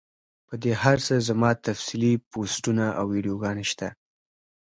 پۀ دې هر څۀ زما تفصیلي پوسټونه او ويډيوګانې شته